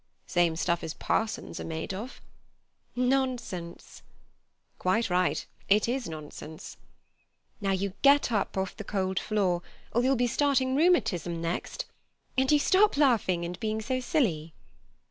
"Same stuff as parsons are made of." "Nonsense!" "Quite right. It is nonsense." "Now you get up off the cold floor, or you'll be starting rheumatism next, and you stop laughing and being so silly."